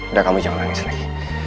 udah kamu jangan nangis lagi